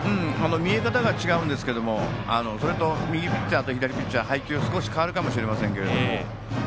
見え方が違うんですけど右ピッチャーと左ピッチャー、配球、少し変わるかもしれませんけども。